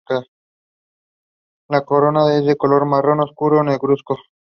La corona es de color marrón oscuro a negruzco.